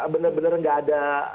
benar benar nggak ada